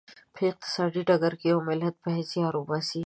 په اقتصادي ډګر کې یو ملت باید زیار وباسي.